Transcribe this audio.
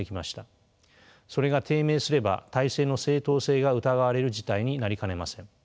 それが低迷すれば体制の正統性が疑われる事態になりかねません。